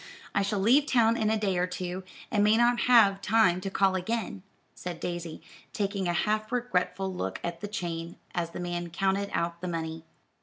I shall leave town in a day or two, and may not have time to call again," said Daisy, taking a half regretful look at the chain, as the man counted out the money.